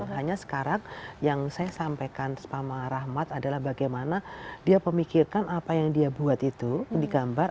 hanya sekarang yang saya sampaikan sama rahmat adalah bagaimana dia pemikirkan apa yang dia buat itu digambar